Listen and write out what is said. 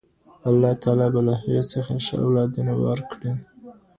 الله تعالی به له هغې څخه ښه اولادونه ورکړي